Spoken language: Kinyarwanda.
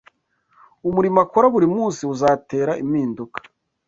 Umurimo akora buri munsi uzatera impinduka